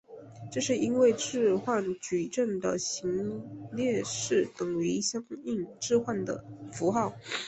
这是因为置换矩阵的行列式等于相应置换的符号。